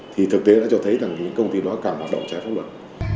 thì thực tế đã cho thấy rằng công ty đó càng hoạt động trái pháp luật